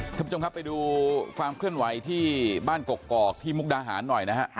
ท่านผู้ชมครับไปดูความเคลื่อนไหวที่บ้านกกอกที่มุกดาหารหน่อยนะฮะ